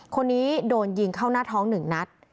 คนนี้โดนยิงเข้าหน้าท้อง๑นัด